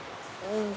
うん？